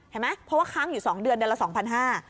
เห็นไหมเพราะว่าค้างอยู่๒เดือนเดือนละ๒๕๐๐บาท